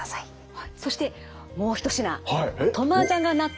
そしてもう一品